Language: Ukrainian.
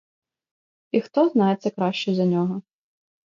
І хто знає це краще за нього?